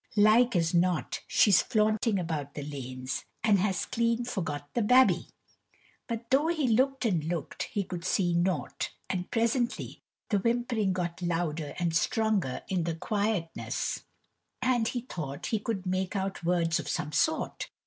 Like as not, she's flaunting about the lanes, and has clean forgot the babby." But though he looked and looked, he could see nought. And presently the whimpering got louder and stronger in the quietness, and he thought he could make out words of some sort.